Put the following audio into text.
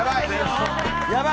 やばい。